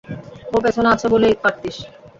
ও পেছনে আছে বললেই পারতিস।